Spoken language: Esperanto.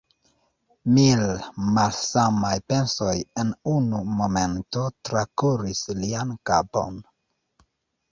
Mil malsamaj pensoj en unu momento trakuris lian kapon.